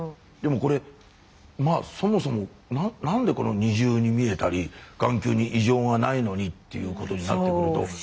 でもこれまあそもそもなんでこの２重に見えたり眼球に異常がないのにっていうことになってくると。